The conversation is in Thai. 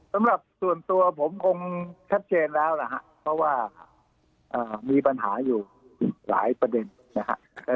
สำหรับส่วนตัวผมคงชัดเจนแล้วนะครับเพราะว่ามีปัญหาอยู่หลายประเด็นนะครับ